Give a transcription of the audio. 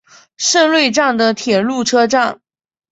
胜瑞站的铁路车站。